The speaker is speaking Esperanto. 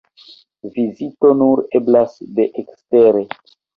Vizito nur eblas de ekstere.